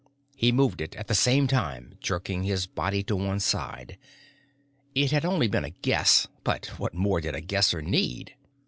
He moved it, at the same time jerking his body to one side. It had only been a guess but what more did a Guesser need?